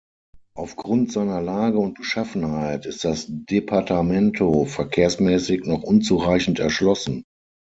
Auf Grund seiner Lage und Beschaffenheit ist das Departamento verkehrsmäßig noch unzureichend erschlossen.